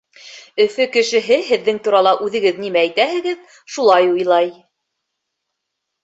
Өфө кешеһе һеҙҙең турала үҙегеҙ нимә әйтәһегеҙ, шулай уйлай.